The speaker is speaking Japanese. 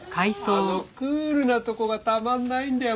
あのクールなとこがたまらないんだよ